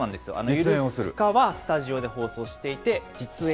ゆるふかはスタジオで放送していて、実演。